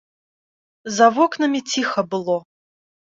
За вокнамі ціха было.